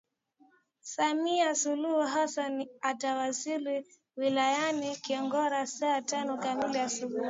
Samia Suluhu Hassan atawasili Wilayani Gairo saa tano kamili asubuhi